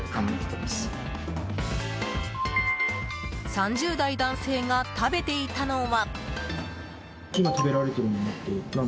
３０代男性が食べていたのは。